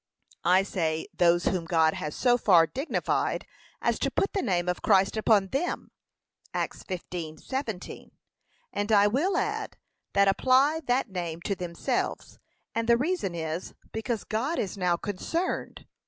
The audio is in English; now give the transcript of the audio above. I say those whom God has so far dignified, as to put the name of Christ upon them. (Acts 15:17) And I will add, that apply that name to themselves. And the reason is, because God is now concerned.